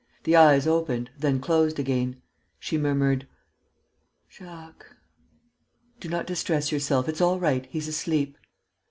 The eyes opened, then closed again. She murmured: "Jacques...." "Do not distress yourself ... it's all right he's asleep."